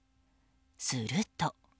すると。